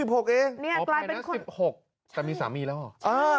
อ๋อเป็นนัก๑๖แต่มีสามีแล้วเหรอ